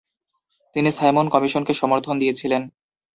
তিনি সাইমন কমিশনকে সমর্থন দিয়েছিলেন।